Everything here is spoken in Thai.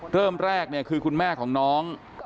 เริ่มแรกคือคุณแม่ของน้อง